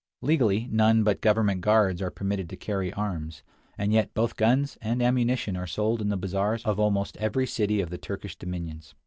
Legally, none but government guards are permitted to carry arms, and yet both guns and ammunition are sold in the bazaars of almost every city of the Turkish dominions.